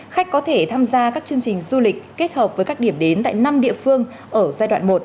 khách có thể tham gia các chương trình du lịch kết hợp với các điểm đến tại năm địa phương ở giai đoạn một